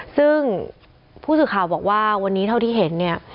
ซึ่งผู้สื่อข่าวบอกว่าวันนี้เท่าที่เห็นเนี่ย